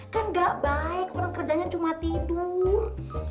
kan gak baik orang kerjanya cuma tidur